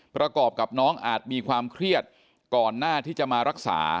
ประกอบกับน้องอาจมีความเครียดก่อนหน้าที่จะมารักษา